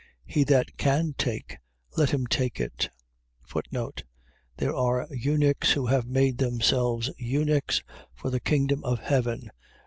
He that can take, let him take it. There are eunuchs, who have made themselves eunuchs, for the kingdom of heaven.